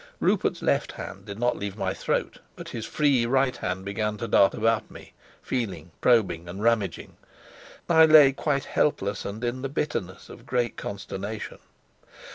Rupert's left hand did not leave my throat, but his free right hand began to dart about me, feeling, probing, and rummaging. I lay quite helpless and in the bitterness of great consternation.